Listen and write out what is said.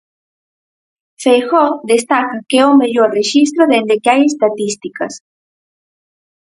Feijóo destaca que é o mellor rexistro dende que hai estatísticas.